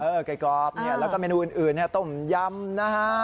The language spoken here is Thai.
เออไก่กรอบแล้วก็เมนูอื่นต้มยำนะฮะ